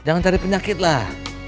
jangan cari penyakit lah